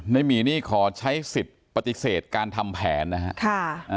หมีนี่ขอใช้สิทธิ์ปฏิเสธการทำแผนนะครับ